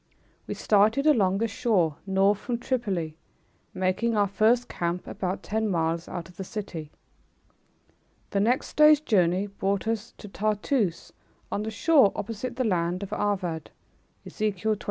We started along the shore north from Tripoli, making our first camp about ten miles out of the city. The next day's journey brought us to Tartoose on the shore opposite the island of Arvad. Ezek.